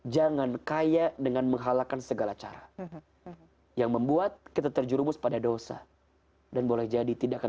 jangan kaya dengan menghalakan segala cara yang membuat kita terjerumus pada dosa dan boleh jadi tidak akan